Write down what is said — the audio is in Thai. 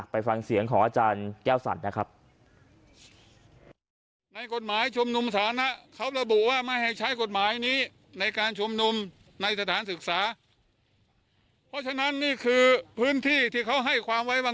ไปฟังเสียงของอาจารย์แก้วสัตว์นะครับ